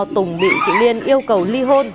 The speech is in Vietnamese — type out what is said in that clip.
tùng bị chị liên yêu cầu ly hôn